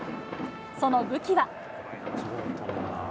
その武器は。